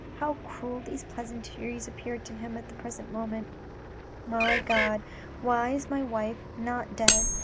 How cruel these pleasantries appeared to him at the present moment !" My God, why is my wife not dead